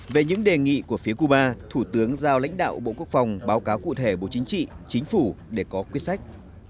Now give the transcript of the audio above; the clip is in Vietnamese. về những đề nghị của phía cuba thủ tướng giao lãnh đạo bộ quốc phòng báo cáo cụ thể bộ chính trị chính phủ để có quyết sách